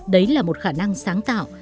đấy là một khả năng sáng tạo